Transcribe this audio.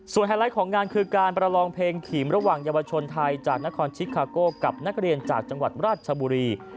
ไฮไลท์ของงานคือการประลองเพลงขี่มระหว่างเยาวชนไทยจากนครชิกคาโก้กับนักเรียนจากจังหวัดราชบุรี